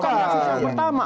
kasus yang pertama